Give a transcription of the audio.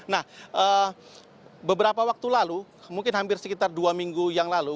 nah beberapa waktu lalu mungkin hampir sekitar dua minggu yang lalu